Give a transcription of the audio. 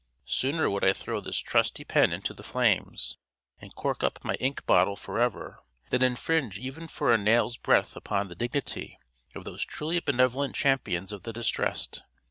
Sooner would I throw this trusty pen into the flames, and cork up my ink bottle for ever, than infringe even for a nail's breadth upon the dignity of these truly benevolent champions of the distressed.